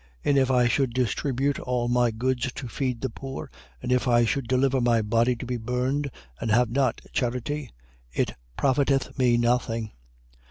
13:3. And if I should distribute all my goods to feed the poor, and if I should deliver my body to be burned, and have not charity, it profiteth me nothing.